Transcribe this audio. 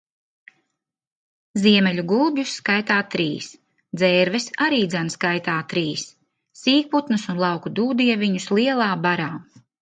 Ziemeļu gulbjus, skaitā trīs. Dzērves, arīdzan skaitā trīs. Sīkputnus un lauku Dūdieviņus lielā barā.